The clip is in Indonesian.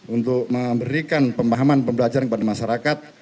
untuk memberikan pemahaman pembelajaran kepada masyarakat